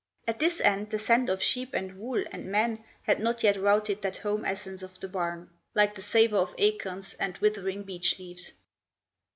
At this end the scent of sheep and wool and men had not yet routed that home essence of the barn, like the savour of acorns and withering beech leaves.